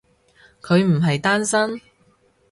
佢唔係單身？